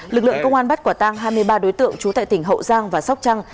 lực lượng công an bắt quả tang hai mươi ba đối tượng trú tại tỉnh hậu giang và sóc trăng